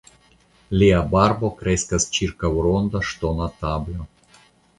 Lia barbo kreskas ĉirkaŭ ronda ŝtona tablo.